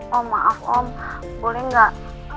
om maaf om boleh nggak